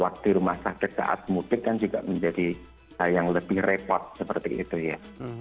waktu rumah sakit saat mudik kan juga menjadi yang lebih repot seperti itu ya